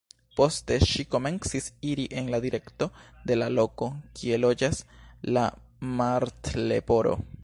Poste ŝi komencis iri en la direkto de la loko kie loĝas la Martleporo.